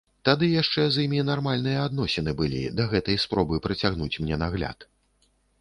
Тады яшчэ з імі нармальныя адносіны былі, да гэтай спробы працягнуць мне нагляд.